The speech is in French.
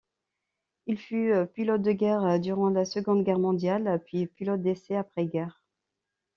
Il fut pilote de guerre durant la Seconde Guerre mondiale puis pilote d'essai après-guerre.